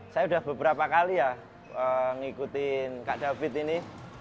saya sudah beberapa kali ya mengikuti kak david ini